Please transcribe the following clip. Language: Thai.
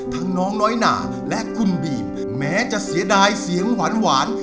น้องน้อยหนาและคุณบีมแม้จะเสียดายเสียงหวาน